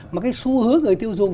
mà cái xu hướng người tiêu dùng